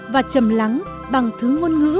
và chầm lắng bằng thứ ngôn ngữ